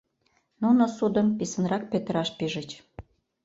Нуно судым писынрак петыраш пижыч.